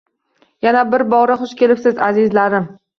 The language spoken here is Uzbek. Yana bir bora xush kelibsiz azizlarim!